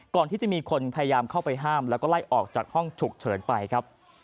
ก่อนที่จะมีคนพยายามเข้าไปห้ามแล้วก็ไล่ออกจากห้องฉุกเฉินไปครับ